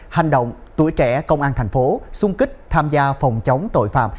hành động tuổi trẻ công an tp xung kích tham gia phòng chống tội phạm